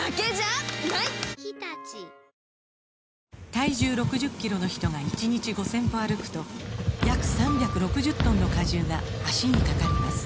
体重６０キロの人が１日５０００歩歩くと約３６０トンの荷重が脚にかかります